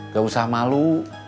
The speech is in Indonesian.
gak usah malu